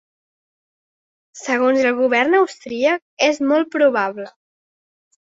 Segons el govern austríac és molt probable.